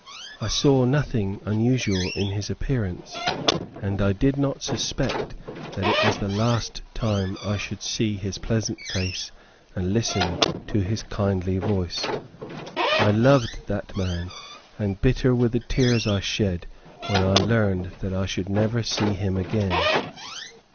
I saw nothing unusual in his appearance, and I did not suspect that it was the last time I should see his pleasant face and listen to his kindly voice. I loved that man, and bitter were the tears I shed when I learned that I should never see him again.